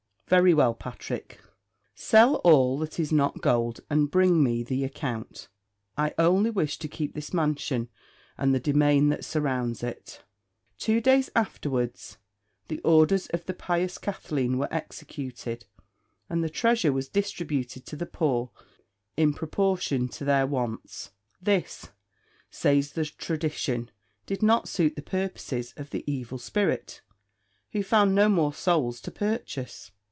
"Very well, Patrick; sell all that is not gold; and bring me the account. I only wish to keep this mansion and the demesne that surrounds it." Two days afterwards the orders of the pious Kathleen were executed, and the treasure was distributed to the poor in proportion to their wants. This, says the tradition, did not suit the purposes of the Evil Spirit, who found no more souls to purchase.